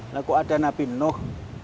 lalu ada nabi nuh